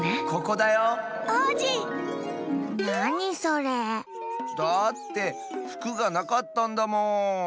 だってふくがなかったんだもん。